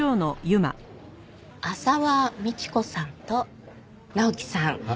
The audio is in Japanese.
浅輪倫子さんと直樹さん。